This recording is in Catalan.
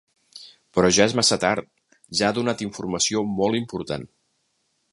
Però ja és massa tard, ja ha donat informació molt important.